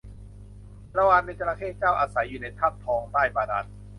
ชาละวันเป็นจระเข้เจ้า อาศัยอยู่ในถ้ำทองใต้บาดาล